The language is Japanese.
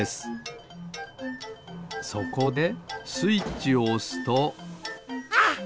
そこでスイッチをおすとあっ！